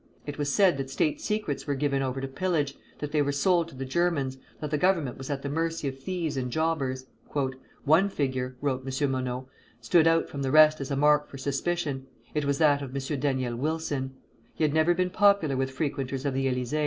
It was said that state secrets were given over to pillage, that they were sold to the Germans, that the Government was at the mercy of thieves and jobbers. "One figure," wrote M. Monod, "stood out from the rest as a mark for suspicion. It was that of M. Daniel Wilson. He had never been popular with frequenters of the Élysée.